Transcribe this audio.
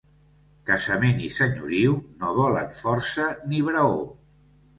Casament i senyoriu no volen força ni braó.